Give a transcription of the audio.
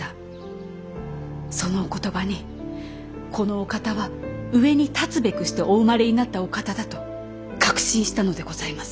そのお言葉にこのお方は上に立つべくしてお生まれになったお方だと確信したのでございます。